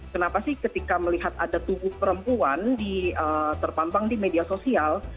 kenapa sih ketika melihat ada tubuh perempuan terpampang di media sosial